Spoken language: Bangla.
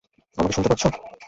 আমাকে শুনতে পারছ?